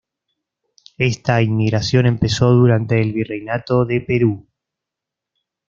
Esta inmigración empezó durante el Virreinato de Perú.